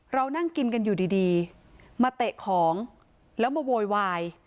เรานั่งกินกันอยู่ดีมาเตะของแล้วมาโวยวาย